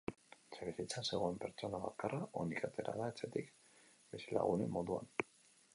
Etxebizitzan zegoen pertsona bakarra onik atera da etxetik, bizilagunen moduan.